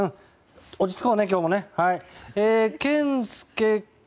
落ち着こうね、今日も。